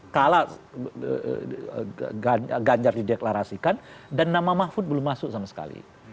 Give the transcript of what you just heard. dan itu kan sudah gajar dideklarasikan dan nama mahfud belum masuk sama sekali